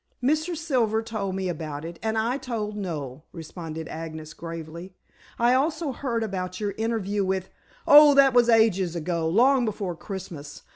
"Mr. Silver told me about it, and I told Noel," responded Agnes gravely. "I also heard about your interview with " "Oh, that's ages ago, long before Christmas.